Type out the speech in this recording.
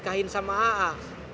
benci sama aa